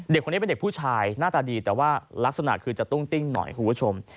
เด็กคนนี้เป็นเด็กผู้ชายหน้าตาดีแต่ว่ารักษณะคือจะตุ้งติ้งหน่อยคุณผู้ชม